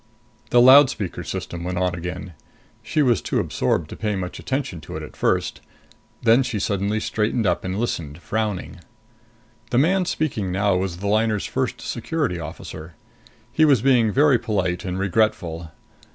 The loudspeaker system went on again. She was too absorbed to pay much attention to it at first. Then she suddenly straightened up and listened, frowning. The man speaking now was the liner's First Security Officer. He was being very polite and regretful.